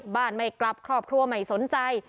ไม่กลับครอบครัวไม่สนใจ